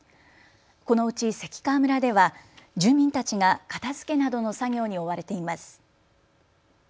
このうち関川村では住民たちが片づけなどの作業に追われています。